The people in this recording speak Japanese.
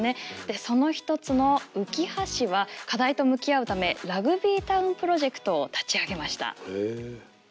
その一つのうきは市は課題と向き合うためラグビータウンプロジェクトを立ち上げました。